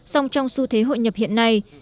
song trong xu thế hội nhập hiện nay